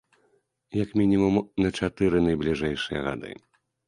Як мінімум на чатыры найбліжэйшыя гады.